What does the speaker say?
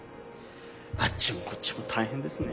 あっちもこっちも大変ですね。